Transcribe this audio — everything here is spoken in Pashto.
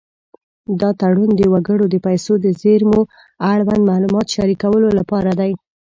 دا تړون د وګړو د پیسو د زېرمو اړوند معلومات شریکولو لپاره دی.